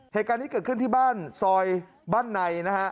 เหตุการณ์นี้เกิดขึ้นที่บ้านซอยบ้านในนะฮะ